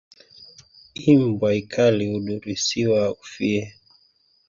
Imbwa nkali udirisiwa ufie